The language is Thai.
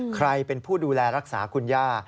ใครเป็นผู้ดูแลรักษาคุณย่า